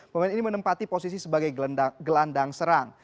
pemain ini menempati posisi sebagai gelandang serang